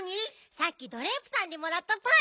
さっきドレープさんにもらったパイ。